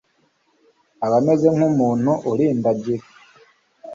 aba ameze nk'umuntu urindagira